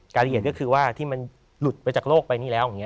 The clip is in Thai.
รายละเอียดก็คือว่าที่มันหลุดไปจากโลกไปนี่แล้วอย่างนี้